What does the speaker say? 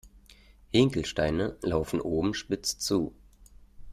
Hinkelsteine laufen oben spitz zu.